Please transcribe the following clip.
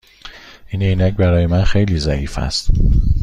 این عینک برای من خیلی ضعیف است.